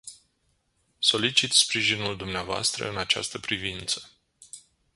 Solicit sprijinul dumneavoastră în această privință.